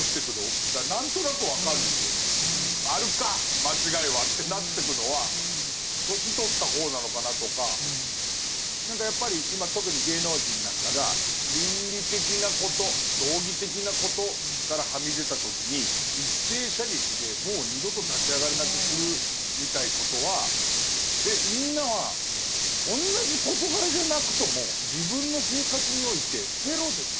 「あるか間違いは」ってなってくのは年取った方なのかなとか何かやっぱり今特に芸能人なんかが倫理的なこと道義的なことからはみ出た時に一斉射撃でもう二度と立ち上がれなくするみたいなことはみんなは同じ事柄じゃなくとも自分の生活においてゼロですか？